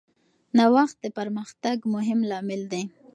نوښت د پرمختګ مهم لامل دی.